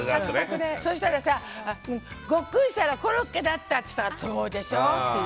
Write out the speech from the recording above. そしたらさ、ごっくんしたらコロッケだったって言ったらそうでしょって。